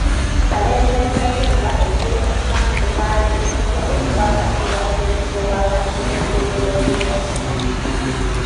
Kalembe ne Katumba eggulo ku Mmande baalemeddwa okukakasibwa ssentebe w'akakiiko k'ebyokulonda